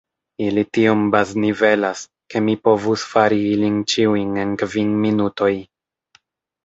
Ili tiom baznivelas, ke mi povus fari ilin ĉiujn en kvin minutoj.